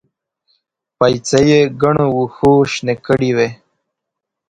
پايڅې يې ګڼو وښو شنې کړې وې.